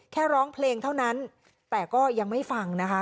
แค่ร้องเพลงเท่านั้นแต่ก็ยังไม่ฟังนะคะ